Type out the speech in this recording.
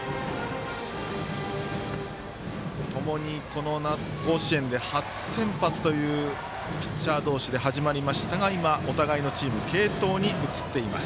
ともにこの甲子園で初先発というピッチャー同士で始まりましたがお互いのチーム継投に移っています。